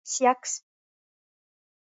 Sjaks.